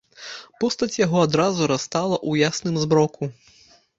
Постаць яго адразу растала ў ясным змроку.